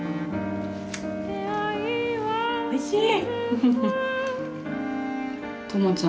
おいしい！